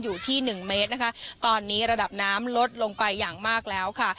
อยู่ที่หนึ่งเมตรนะคะตอนนี้ระดับน้ำลดลงไปอย่างมากแล้วค่ะ